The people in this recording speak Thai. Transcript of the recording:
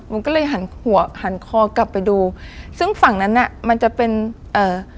มันก็เลยหันหัวหันคอกลับไปดูซึ่งฝั่งนั้นน่ะมันจะเป็นเอ่อ